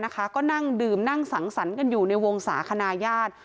ก็นั่งดื่มนั่งสังสรรค์กันอยู่ในวงศาคณะญาติ